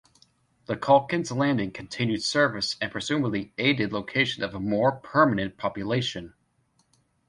The Calkins Landing continued service and presumedly aided location of a more permanent population.